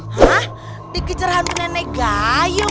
hah dikejar hantu nenek gayung